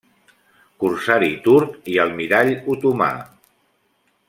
Corsari turc i Almirall Otomà.